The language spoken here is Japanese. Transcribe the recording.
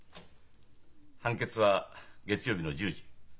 判決は月曜日の１０時。